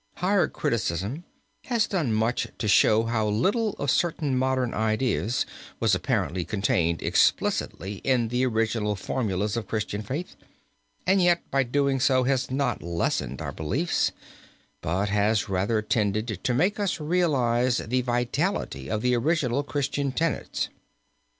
Higher criticism has done much to show how little of certain modern ideas was apparently contained explicitly in the original formulas of Christian faith, and yet by so doing has not lessened our beliefs, but has rather tended to make us realize the vitality of the original Christian tenets.